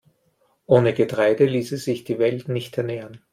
Ohne Getreide ließe sich die Welt nicht ernähren.